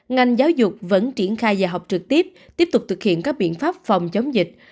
ngành giáo dục vẫn triển khai dạy học trực tiếp tiếp tục thực hiện các biện pháp phòng chống dịch